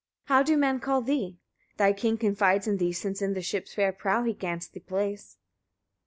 How do men call thee? Thy king confides in thee, since in the ship's fair prow he grants thee place.